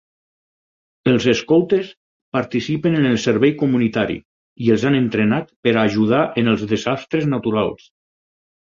Els escoltes participen en el servei comunitari i els han entrenat per a ajudar en els desastres naturals.